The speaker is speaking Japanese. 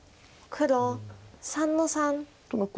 黒３の三。